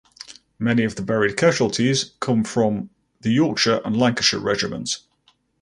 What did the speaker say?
Many of the buried casualties come from the Yorkshire and Lancashire Regiments.